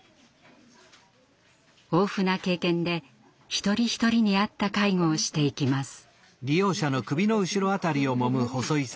豊富な経験で一人一人に合った介護をしていきます。